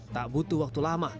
tak butuh waktu lama